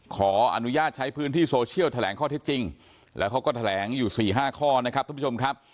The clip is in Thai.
ขออนุญาตใช้พื้นที่โซเชียลแถลงข้อเท็จจริงแล้วเขาก็แถลงอยู่๔๕ข้อนะครับทุกผู้ชมครับ